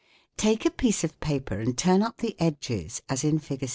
Take a piece of paper and turn up the edges as in Fig.